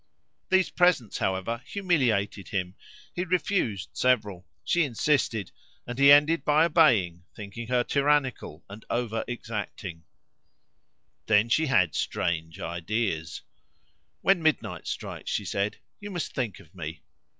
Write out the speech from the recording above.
These presents, however, humiliated him; he refused several; she insisted, and he ended by obeying, thinking her tyrannical and overexacting. A loving heart. Then she had strange ideas. "When midnight strikes," she said, "you must think of me."